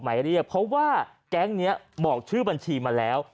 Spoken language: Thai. หมายเรียกเพราะว่าแก๊งนี้บอกชื่อบัญชีมาแล้ว